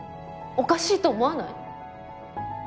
おかしいと思わない？